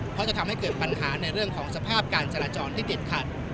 เพราะจะทำให้เกิดปัญหาในเรื่องของสภาพการจราจรที่ติดขัด